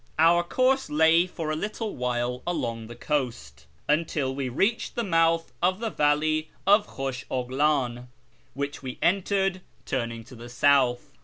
Our course lay for a little while along the coast, until we reached the moutli of the valley of Khosh Oghhin, which we entered, turning to the south.